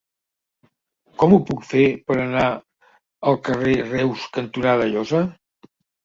Com ho puc fer per anar al carrer Reus cantonada Llosa?